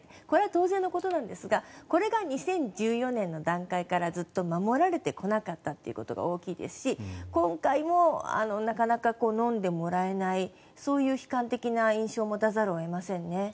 これは当然のことなんですがこれが２０１４年の段階からずっと守られてこなかったということが大きいですし今回もなかなかのんでもらえないそういう悲観的な印象を持たざるを得ませんね。